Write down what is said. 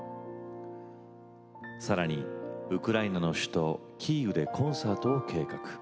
さらにウクライナの首都キーウでコンサートを計画。